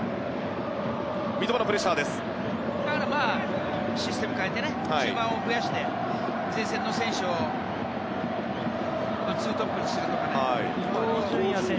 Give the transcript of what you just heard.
だからシステムを変えて中盤を増やして前線の選手を２トップにするとか。